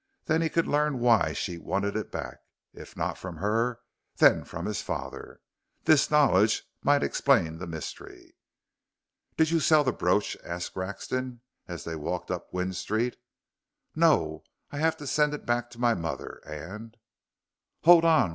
Then he could learn why she wanted it back if not from her, then from his father. This knowledge might explain the mystery. "Did you sell the brooch?" asked Grexon as they walked up Gwynne Street. "No. I have to send it back to my mother, and " "Hold on!"